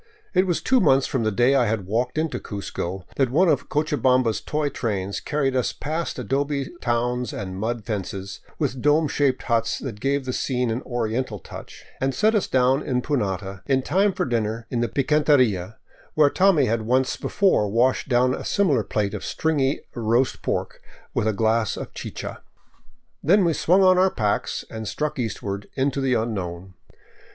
It was two months from the day I had walked into Cuzco that one of Cochabamba's toy trains carried us past adobe towns and mud fences, with dome shaped huts that gave the scene an oriental touch, and set us down in Punata in time for dinner in the picanteria where Tommy had once before washed down a similar plate of stringy roast pork with a glass of chicha. Then we swung on our packs and struck eastward into the unknown.